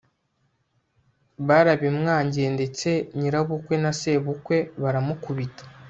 barabimwangiye ndetse nyirabukwe na sebukwe baramukubita